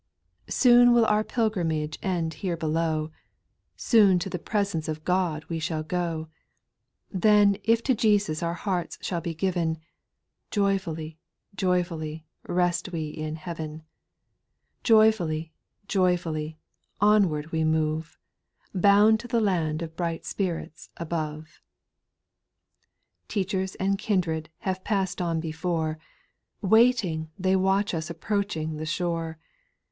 2. Soon will our pilgrimage end here below. Soon to the presence of God wc shall go ; Then if to Jesus our hearts shall be given, Joyfully, joyfully, rest we in heaven. Joyfully, joyfully, onward, etc. 8. Teachers and kindred have pass'd on before. Waiting, they watch us approaching the shore.